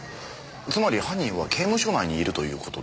つまり犯人は刑務所内にいるということですね。